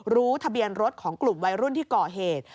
ทะเบียนรถของกลุ่มวัยรุ่นที่ก่อเหตุ